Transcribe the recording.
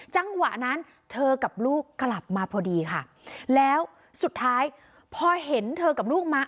จังหวะนั้นเธอกับลูกกลับมาพอดีค่ะแล้วสุดท้ายพอเห็นเธอกับลูกมา